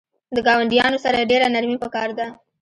د ګاونډیانو سره ډیره نرمی پکار ده